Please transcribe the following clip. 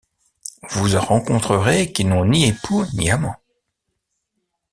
Vous en rencontrerez qui n’ont ni espoux ni amant.